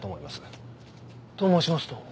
と申しますと？